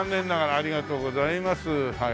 ありがとうございます。